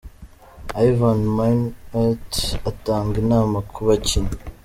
Ivan Minaert atanga inama ku bakinnyi .